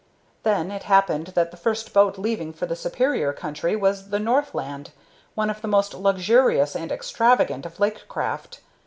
Then it happened that the first boat leaving for the Superior country was the Northland, one of the most luxurious and extravagant of lake craft.